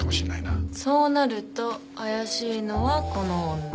そうなると怪しいのはこの女。